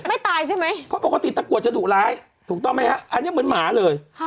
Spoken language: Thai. ไม่ตายใช่ไหมเพราะปกติตะกรวดจะดุร้ายถูกต้องไหมฮะอันนี้เหมือนหมาเลย